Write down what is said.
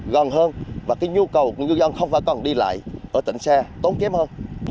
gần hơn và cái nhu cầu của ngư dân không phải còn đi lại ở tỉnh xe tốn kém hơn